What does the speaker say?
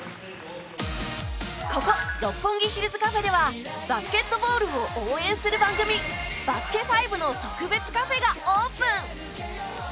ここ六本木・ヒルズカフェではバスケットボールを応援する番組「バスケ☆ＦＩＶＥ」の特別カフェがオープン。